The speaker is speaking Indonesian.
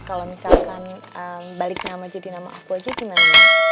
kalau misalkan balik nama jadi nama aku aja gimana